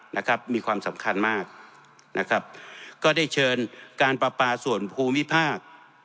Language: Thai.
นะครับมีความสำคัญมากนะครับก็ได้เชิญการประปาส่วนภูมิภาค